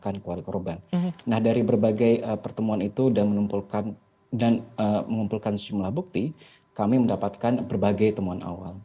nah dari berbagai pertemuan itu dan mengumpulkan sejumlah bukti kami mendapatkan berbagai temuan awal